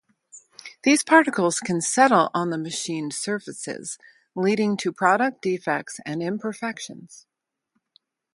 These particles can settle on the machined surfaces, leading to product defects and imperfections.